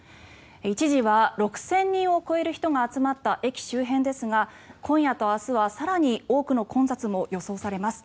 一時は６０００人を超える人が集まった、駅周辺ですが今夜と明日は更に多くの混雑も予想されます。